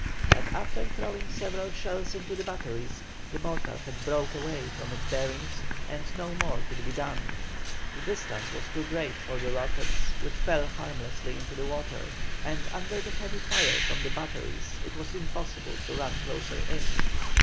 But after throwing several shells into the batteries, the mortar bed broke away from its bearings, and no more could be done. The distance was too great for the rockets which fell harmlessly into the water, and under the heavy fire from the batteries it was impossible to run closer in.